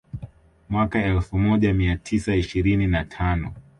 Mwaka elfu moja mia tisa ishirini na tano